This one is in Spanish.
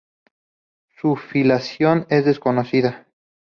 Su filiación es desconocida.